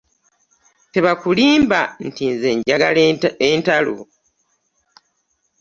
Teba akulimba nti nze njagala entalo.